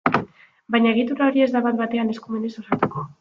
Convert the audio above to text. Baina, egitura hori ez da bat-batean eskumenez osatuko.